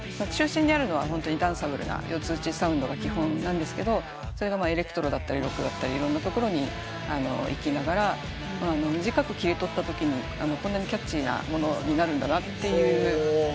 中心にあるのはホントにダンサブルな四つ打ちサウンドが基本なんですけどそれがエレクトロだったりロックだったりいろんなところにいきながら短く切り取ったときにこんなにキャッチーなものになるんだなっていう。